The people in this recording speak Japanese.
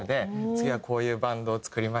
「次はこういうバンドを作りました」